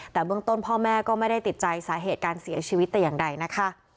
แต่เบื้องต้นพ่อแม่ก็ไม่ได้ติดใจสาเหตุการเสียชีวิตแต่อย่างใดนะคะ